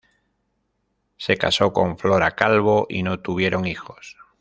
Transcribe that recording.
Se casó con Flora Calvo y no tuvieron hijos.